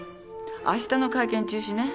明日の会見中止ね。